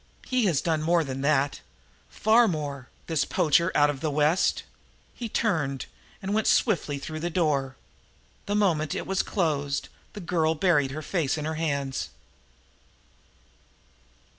He has done more than that far more, this poacher out of the West!" He turned and went swiftly through the door. The moment it was closed the girl buried her face in her hands.